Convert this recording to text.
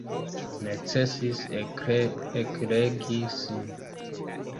Necesis ekregi sin.